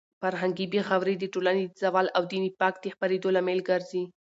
فرهنګي بې غوري د ټولنې د زوال او د نفاق د خپرېدو لامل ګرځي.